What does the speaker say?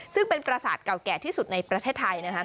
ซึ่งเป็นประสาทเก่าแก่ที่สุดในประเทศไทยนะครับ